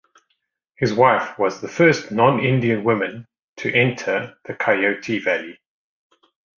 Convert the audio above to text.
His wife was the first non-Indian woman to enter the Coyote Valley.